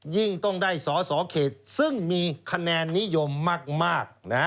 ยิ่งต้องได้สอสอเขตซึ่งมีคะแนนนิยมมาก